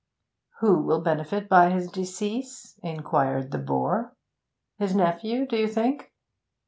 'Who will benefit by his decease?' inquired the bore. 'His nephew, do you think?'